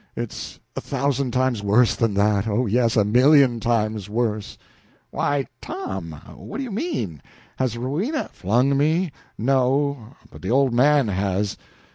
It's a thousand times worse than that oh, yes, a million times worse." "Why, Tom, what do you mean? Has Rowena " "Flung me? No, but the old man has."